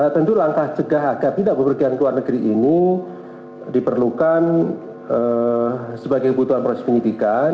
tentu langkah cegah agar tidak berpergian ke luar negeri ini diperlukan sebagai kebutuhan proses penyidikan